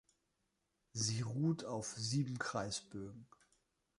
Sie ruht auf sieben Kreisbögen.